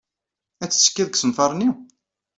Ad tettekkiḍ deg usenfar-nni?